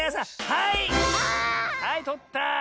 はいとった。